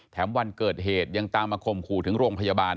วันเกิดเหตุยังตามมาข่มขู่ถึงโรงพยาบาล